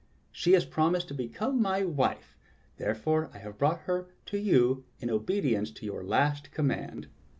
She has promised to become my wife, therefore, I have brought her to you in obedience to your last command."